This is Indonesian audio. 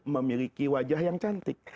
memiliki wajah yang cantik